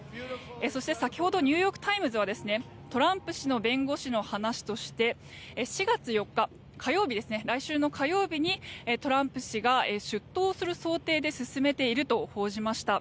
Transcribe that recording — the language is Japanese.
そして、先ほどニューヨーク・タイムズはトランプ氏の弁護士の話として４月４日、来週の火曜日にトランプ氏が出頭する想定で進めていると報じました。